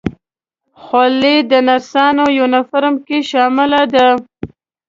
خولۍ د نرسانو یونیفورم کې شامله ده.